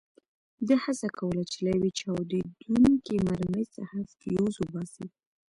ده هڅه کوله چې له یوې چاودېدونکې مرمۍ څخه فیوز وباسي.